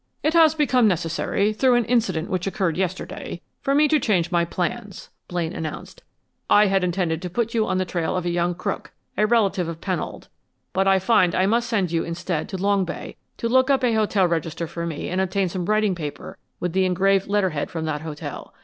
"It has become necessary, through an incident which occurred yesterday, for me to change my plans," Blaine announced. "I had intended to put you on the trail of a young crook, a relative of Pennold, but I find I must send you instead to Long Bay to look up a hotel register for me and obtain some writing paper with the engraved letter head from that hotel.